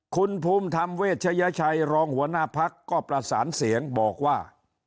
คุณภูมิธรรมเวชยชัยรองหัวหน้าพักก็ประสานเสียงบอกว่า